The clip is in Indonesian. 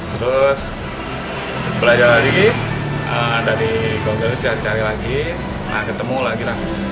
terus belajar lagi dari google cari cari lagi ketemu lagi lah